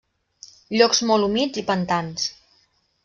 Llocs molt humits i pantans.